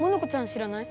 知らない？